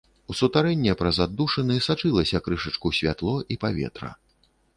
У сутарэнне праз аддушыны сачылася крышачку святло і паветра.